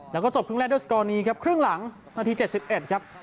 แล้วก็จบครึ่งแรกด้วยสกอร์นี้ครับครึ่งหลังนาที๗๑ครับ